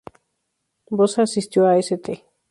Bosa asistió a St.